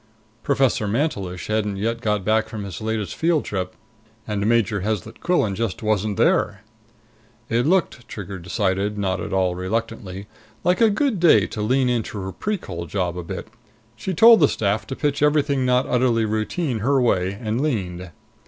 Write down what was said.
Professor Mantelish hadn't yet got back from his latest field trip, and Major Heslet Quillan just wasn't there. It looked, Trigger decided, not at all reluctantly, like a good day to lean into her Precol job a bit. She told the staff to pitch everything not utterly routine her way, and leaned.